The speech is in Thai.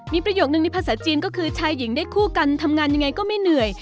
มีประโยคนึงในภาษาจีนก็คือชายหญิงได้คู่กันทำงานยังไงก็ไม่เหนื่อย